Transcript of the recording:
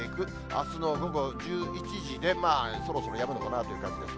あすの午後１１時で、そろそろやむのかなという感じです。